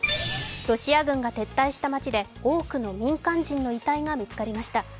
ロシア軍が撤退した街で多くの民間人の遺体が見つかりました。